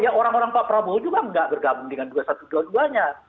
ya orang orang pak prabowo juga enggak bergabung dengan p dua ratus dua belas nya